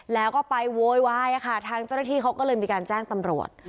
แล้วก็ไปโวยวายค่ะทางเจ้าหน้าที่เขาก็เลยมีการแจ้งตำรวจ